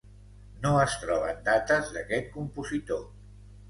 No es troben dates d'aquest compositor.